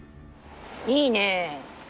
いいね。